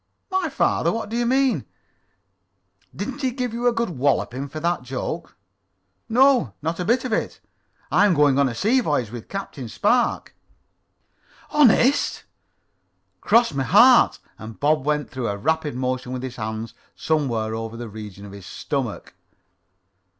"My father? What do you mean?" "Didn't he give you a good walloping for that joke?" "No. Not a bit of it. I'm going on a sea voyage with Captain Spark." "Honest?" "Cross my heart," and Bob went through a rapid motion with his hands somewhere over the region of his stomach.